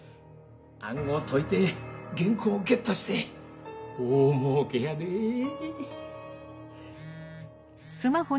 暗号解いて原稿をゲットして大儲けやでぇ！